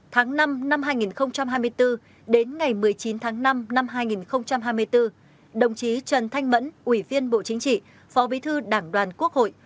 tháng năm năm hai nghìn hai mươi bốn đến ngày một mươi chín tháng năm năm hai nghìn hai mươi bốn đồng chí trần thanh mẫn ủy viên bộ chính trị phó bí thư đảng đoàn quốc hội